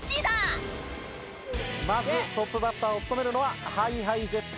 まずトップバッターを務めるのはＨｉＨｉＪｅｔｓ